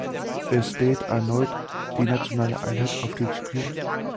Es steht erneut die nationale Einheit auf dem Spiel.